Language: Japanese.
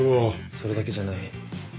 それだけじゃない。